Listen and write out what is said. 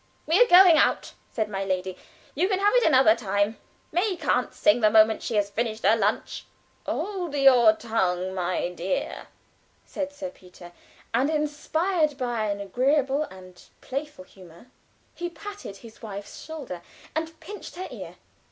"We are going out," said my lady. "You can have it another time. May can not sing the moment she has finished lunch." "Hold your tongue, my dear," said Sir Peter; and inspired by an agreeable and playful humor, he patted his wife's shoulder and pinched her ear.